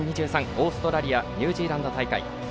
オーストラリアニュージーランド大会。